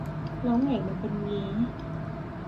แล้วไหงมันเป็นงี้